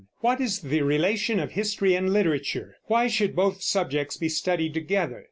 1. What is the relation of history and literature? Why should both subjects be studied together?